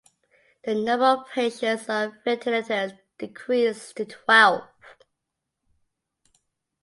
The number of patients on ventilators decreased to twelve.